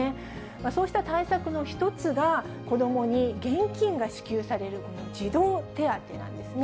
そうした対策の一つが、子どもに現金が支給される、この児童手当なんですね。